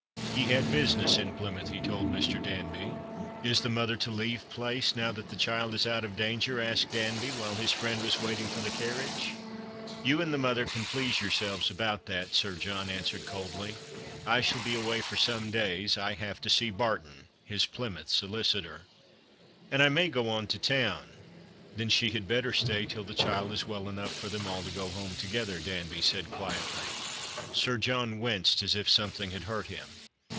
He had business in Plymouth, he told ^Ir. Dauby. " Is the mother to leave Place now that the child is out of danger ?" asked I)anl)y, while his friend was waiting for the carriage. " You and the mother can please yourselves about that," Sir John answered cnhlly. "I shall be away for Q 242 The Christmas Hirelings. some days. I have to see Barton," his Plymouth solicitor. " And I may go on to town." " Then she had better stay till the child is well enough for them all to go home together," Danby said quietly. Sir John winced as if something had hurt him.